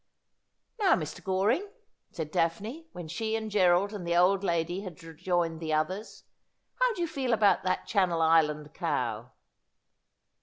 ' Now, Mr. Goring,' said Daphne, when she and Gerald and the old lady had rejoined the others, ' how do you feel about that Channel Island cow